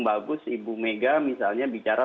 bagus ibu mega misalnya bicara